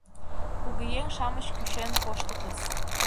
— Кугыеҥ-шамыч кӱчен коштытыс.